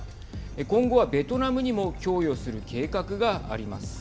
今後はベトナムにも供与する計画があります。